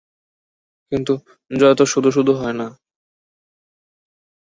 কিন্তু জয় তো শুধু শুধু হয় না।